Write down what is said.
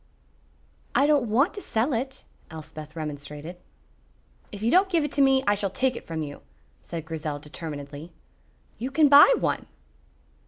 "I don't want to sell it," Elspeth remonstrated. "If you don't give it to me, I shall take it from you," said Grizel, determinedly. "You can buy one."